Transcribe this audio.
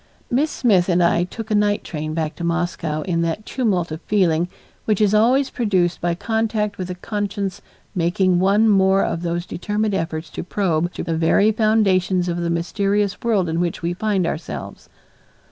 Miss Smith and I took a night train back to Moscow in that tumult of feeling which is always produced by contact with a conscience making one more of those determined efforts to probe to the very foundations of the mysterious world in which we find ourselves.